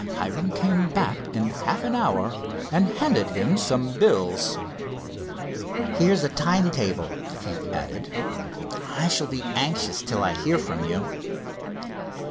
Hiram came back in half an hour, and handed him some bills. "Here's a time table," he added. "I shall be anxious till I hear from you."